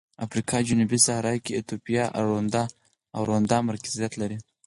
افریقا جنوبي صحرا کې ایتوپیا او روندا مرکزیت لري.